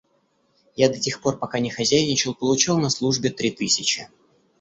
Я до тех пор, пока не хозяйничал, получал на службе три тысячи.